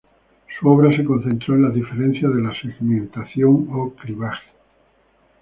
Su obra se concentró en las diferencias de la segmentación o clivaje.